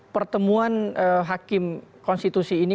pertemuan hakim konstitusi ini